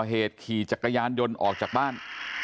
เหตุขี่จักรยานยนต์ออกจากบ้าน